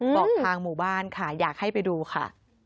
บอกทางหมู่บ้านค่ะอยากให้ไปดูค่ะ